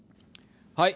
はい。